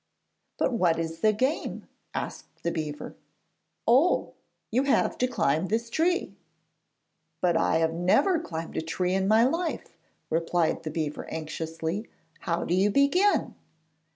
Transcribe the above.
'But what is the game?' asked the beaver. 'Oh, you have to climb this tree.' 'But I have never climbed a tree in my life,' replied the beaver anxiously. 'How do you begin?'